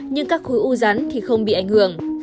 nhưng các khối u rắn thì không bị ảnh hưởng freiberg nói